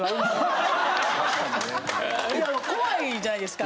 怖いじゃないですか。